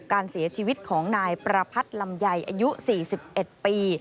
การเสียชีวิตของนายประพัทธ์ลำไยอายุ๔๑ปี